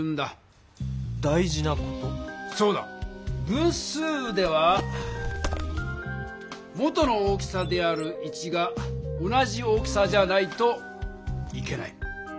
分数では元の大きさである１が同じ大きさじゃないといけない。